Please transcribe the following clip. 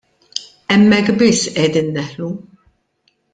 Hemmhekk biss qegħdin neħlu.